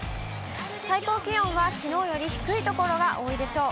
最高気温はきのうより低い所が多いでしょう。